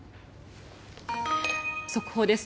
速報です。